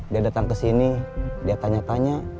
dia datang kesini dia tanya tanya